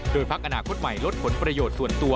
โดยพักอนาคตใหม่ลดผลประโยชน์ส่วนตัว